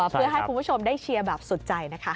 เพื่อให้คุณผู้ชมได้เชียร์แบบสุดใจนะคะ